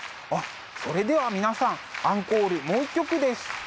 あっそれでは皆さんアンコールもう一曲です。